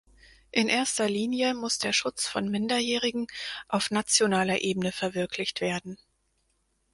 In erster Linie muss der Schutz von Minderjährigen auf nationaler Ebene verwirklicht werden.